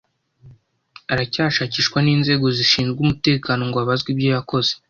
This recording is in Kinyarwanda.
aracyashakishwa n’inzego zishinzwe umutekano ngo abazwe ibyo yakose